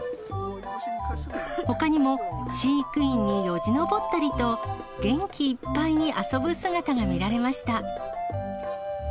ほかにも、飼育員によじ登ったりと、元気いっぱいに遊ぶ姿が見られました。